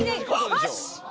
よし！